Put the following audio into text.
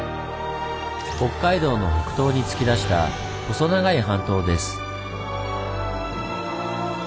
北海道の北東に突き出した細長い半島です。